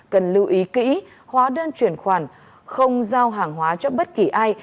cần lưu ý kỹ hóa đơn chuyển khoản không giao hàng hóa cho bất kỳ ai